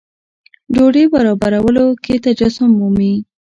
ډوډۍ برابرولو کې تجسم مومي.